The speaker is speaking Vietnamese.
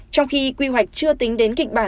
trong khi quy hoạch chưa tính